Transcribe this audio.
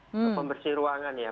pembersih ruangan ya